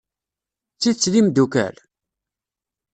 D tidet d imeddukal?